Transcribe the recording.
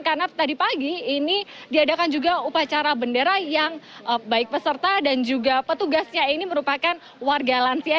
karena tadi pagi ini diadakan juga upacara bendera yang baik peserta dan juga petugasnya ini merupakan warga lansia